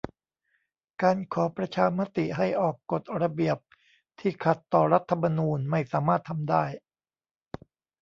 การขอประชามติให้ออกกฎระเบียบที่ขัดต่อรัฐธรรมนูญไม่สามารถทำได้